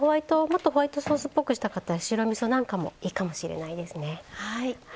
もっとホワイトソースっぽくしたかったら白みそなんかもいいかもしれないですね。